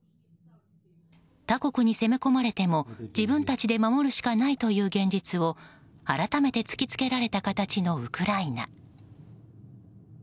他国に攻め込まれても自分たちで守るしかないという現実を改めて突きつけられた形のウクライナ。